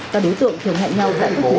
các đối tượng thường hẹn nhau